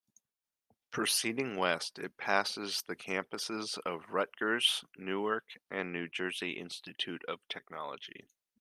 Proceeding west, it passes the campuses of Rutgers-Newark and New Jersey Institute of Technology.